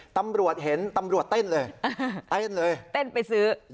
ตำรวจเห็นตำรวจเต้นเลยเต้นไปซื้อ